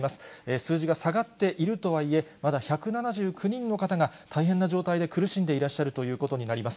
数字が下がっているとはいえ、まだ１７９人の方が大変な状態で苦しんでいらっしゃるということになります。